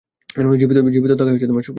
জীবিত থাকায় সুখী।